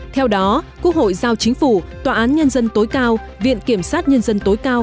theo đó quốc hội giao chính phủ tòa án nhân dân tối cao viện kiểm sát nhân dân tối cao